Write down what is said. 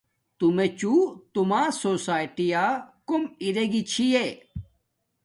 تو میے چوں توما سوساٹیاں کوم ارے گی چھی یے۔